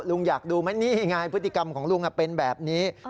ลุงอยากดูไหมนี่ไงพฤติกรรมของลุงเป็นแบบนี้